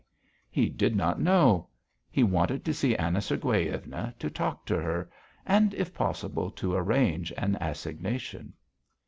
He did not know. He wanted to see Anna Sergueyevna, to talk to her, and if possible to arrange an assignation.